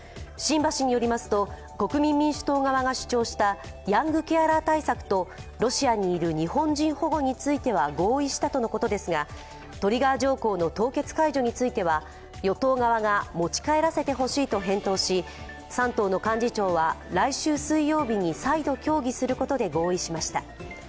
榛葉氏によりますと、国民民主党側が主張したヤングケアラー対策とロシアにいる日本人保護については合意したとのことですが、トリガー条項の凍結解除については与党側が持ち帰らせてほしいと返答し３党の幹事長は、来週水曜日に再度協議することで合意しました。